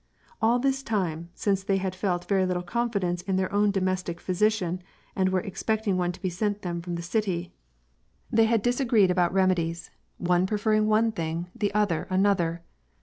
All this time, since they had felt very little confidence in their own domestic physician and were expecting one to be sent them from the city, they WAR AND PEACE. 97 bad disagreed about remedies, one preferring one thing, the other, another.